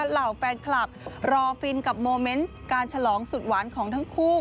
เหล่าแฟนคลับรอฟินกับโมเมนต์การฉลองสุดหวานของทั้งคู่